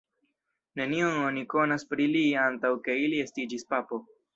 Nenion oni konas pri li antaŭ ke ili estiĝis papo.